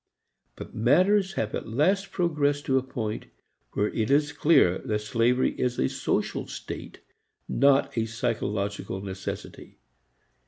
But matters have at least progressed to a point where it is clear that slavery is a social state not a psychological necessity.